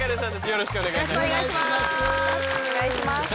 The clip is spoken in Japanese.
よろしくお願いします。